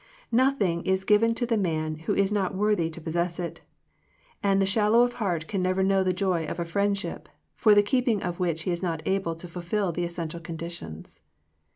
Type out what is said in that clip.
"* Nothing is given to the man who is not worthy to possess it, and the shallow heart can never know the joy of a friendship, for the keeping of which he is not able to fulfill the essential conditions.